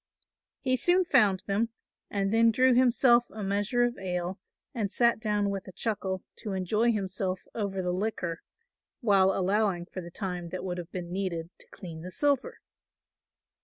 He soon found them, and then drew himself a measure of ale and sat down with a chuckle to enjoy himself over the liquor, while allowing for the time that would have been needed to clean the silver.